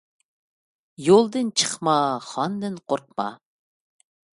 يولدىن چىقما، خاندىن قورقما.